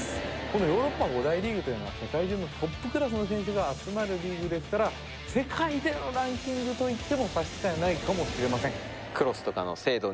このヨーロッパ５大リーグというのは世界中のトップクラスの選手が集まるリーグですから世界でのランキングといっても差し支えないかもしれません